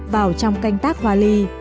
vào trong canh tác hoa ly